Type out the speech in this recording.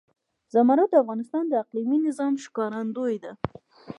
زمرد د افغانستان د اقلیمي نظام ښکارندوی ده.